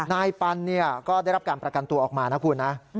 นายปันก็ได้รับการประกันตัวออกมานะคุณนะ